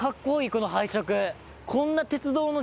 この配色。